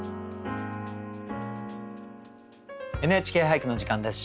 「ＮＨＫ俳句」の時間です。